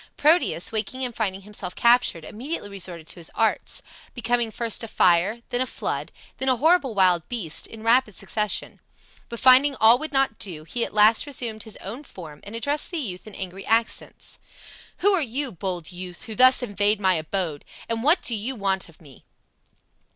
Proteus, waking and finding himself captured, immediately resorted to his arts, becoming first a fire, then a flood, then a horrible wild beast, in rapid succession. But finding all would not do, he at last resumed his own form and addressed the youth in angry accents: "Who are you, bold youth, who thus invade my abode, and what do yot want of me?"